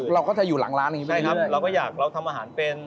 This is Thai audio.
เราก็จะอยู่หลังร้านเราก็อยากทำอาหารเป็น